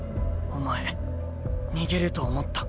お前逃げると思った。